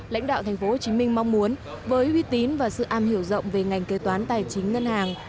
lãnh đạo tp hcm mong muốn với uy tín và sự am hiểu rộng về ngành kế toán tài chính ngân hàng